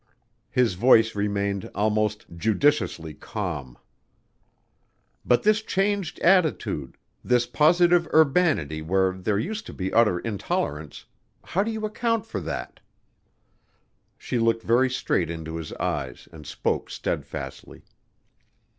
His voice remained almost judicially calm. "But this changed attitude this positive urbanity where there used to be utter intolerance how do you account for that?" She looked very straight into his eyes and spoke steadfastly.